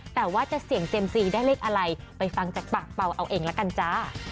แต่ว่าจะเสี่ยงเซียมซีได้เลขอะไรไปฟังจากปากเปล่าเอาเองละกันจ้า